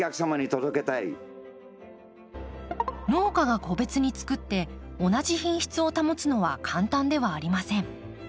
農家が個別につくって同じ品質を保つのは簡単ではありません。